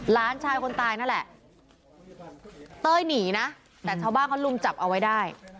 หลานชายคนตายนั่นแหละเต้ยหนีนะแต่ชาวบ้านเขาลุมจับเอาไว้ได้